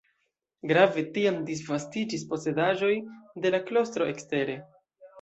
Grave tiam disvastiĝis posedaĵoj de la klostro ekstere.